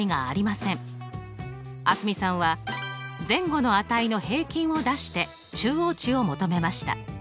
蒼澄さんは前後の値の平均を出して中央値を求めました。